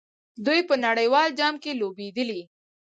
دوی په نړیوال جام کې لوبېدلي.